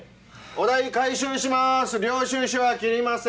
お代回収します